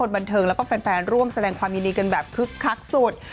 บันเทิงแล้วก็แฟนร่วมแสดงความยินดีกันแบบคึกคักสุด